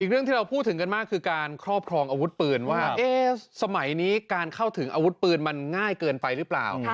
เรื่องที่เราพูดถึงกันมากคือการครอบครองอาวุธปืนว่าสมัยนี้การเข้าถึงอาวุธปืนมันง่ายเกินไปหรือเปล่า